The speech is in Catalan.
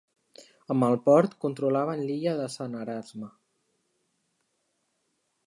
Amb el port controlaven l'illa de Sant Erasme.